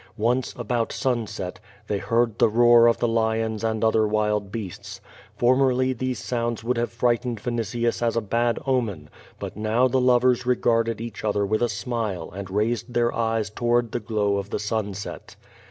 Once, about sunset, they heard the roar of lions and other wild beasts; formerly these sounds would have frightened Vinitius as a bad omen, but now the lovers regarded each other with a smile and raised their eyes toward the glow of the sunset.